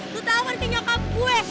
lo tau kan ke nyokap gue